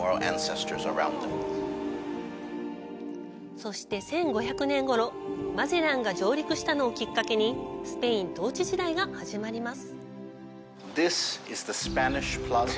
そして、１５００年ごろマゼランが上陸したのをきっかけにスペイン統治時代が始まります。